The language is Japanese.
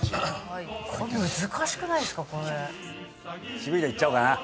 渋いのいっちゃおうかな。